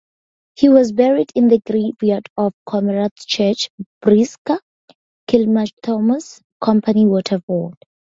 He is buried in the graveyard of Comeragh Church, Briska, Kilmacthomas, Company Waterford.